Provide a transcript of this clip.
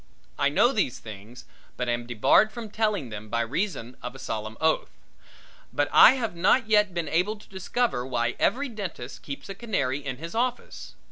I know these things, but am debarred from telling them by reason of a solemn oath. But I have not yet been able to discover why every dentist keeps a canary in his office.